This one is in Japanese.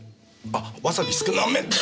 あっわさび少なめで。